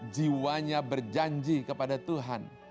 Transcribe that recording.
jiwanya berjanji kepada tuhan